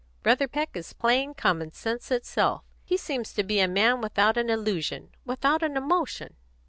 Brother Peck is plain common sense itself. He seems to be a man without an illusion, without an emotion."